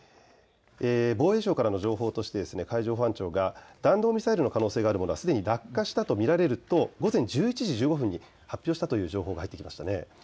防衛省からの情報として海上保安庁が弾道ミサイルの可能性があるもの、すでに落下したと見られると午前１１時１５分に発表したという情報が入ってきましたね。